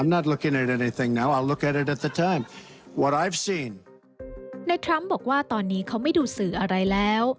ทรัมป์บอกว่าตอนนี้เขาไม่ดูสื่ออะไรแล้ว